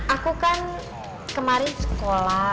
aku kan kemarin sekolah